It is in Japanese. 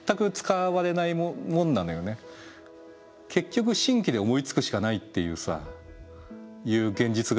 結局新規で思いつくしかないっていう現実があって。